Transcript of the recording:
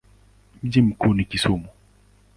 Mji mkuu ni Kisumu.